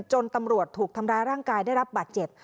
จนตำรวจถูกทำร้ายร่างกายได้รับบาดเจ็บ